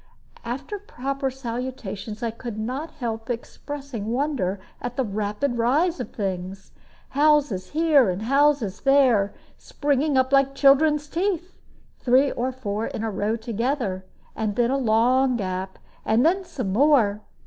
After proper salutations, I could not help expressing wonder at the rapid rise of things. Houses here and houses there, springing up like children's teeth, three or four in a row together, and then a long gap, and then some more.